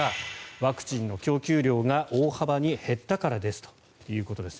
ワクチンの供給量が大幅に減ったからですということです。